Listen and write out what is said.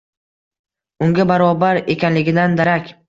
Unga barobar ekanligidan darak.